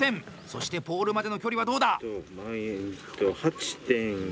そしてポールまでの距離はどうだ？